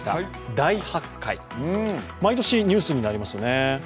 大発会、毎年ニュースになりますよね。